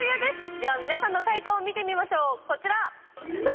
では皆さんの解答を見てみましょう、こちら。